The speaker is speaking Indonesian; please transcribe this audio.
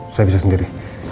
saya bisa sendiri